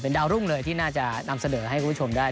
ดาวรุ่งเลยที่น่าจะนำเสนอให้คุณผู้ชมได้